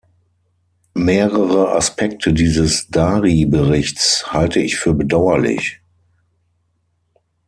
Mehrere Aspekte dieses Dary-Berichts halte ich für bedauerlich.